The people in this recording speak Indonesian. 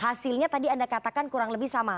hasilnya tadi anda katakan kurang lebih sama